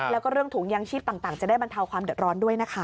แล้วก็เรื่องถุงยางชีพต่างจะได้บรรเทาความเดือดร้อนด้วยนะคะ